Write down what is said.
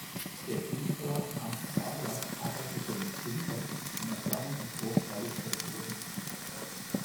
Der Bildhauer Ernst Barlach arbeitete mit Klinker, die nach seinem Entwurf hergestellt wurden.